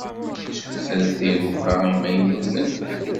Ssutrent iruka imaynuten.